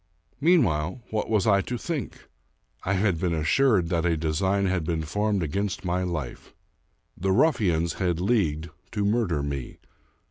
Meanwhile, what was I to think? I had been assured that a design had been formed against my life. The ruffians had leagued to murder me.